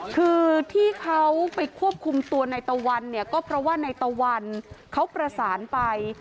คือที่เขาไปควบคุมตัวในตะวันเนี่ยก็เพราะว่าในตะวันเขาประสานไป